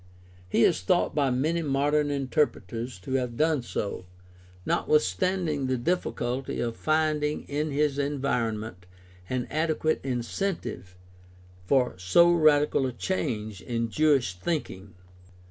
He is thought by many modern interpreters to have done so, notwithstanding the difficulty of finding in his environment an adequate incentive for so radical a change in Jewish thinking.